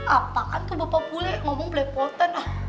apakan tuh bapak bule ngomong belepotan ah